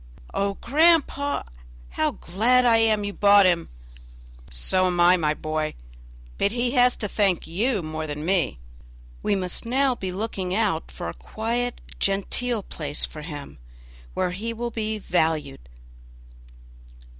"Oh, grandpapa, how glad I am you bought him!" "So am I, my boy; but he has to thank you more than me; we must now be looking out for a quiet, genteel place for him, where he will be valued."